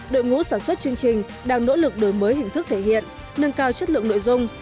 đội ngũ sản xuất chương trình đang nỗ lực đổi mới hình thức thể hiện nâng cao chất lượng nội dung